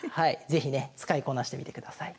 是非ね使いこなしてみてください。